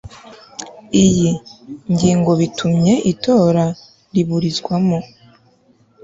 iyi ngingobitumye itora riburizwamo